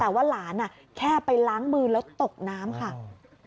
ป้าของน้องธันวาผู้ชมข่าวอ่อน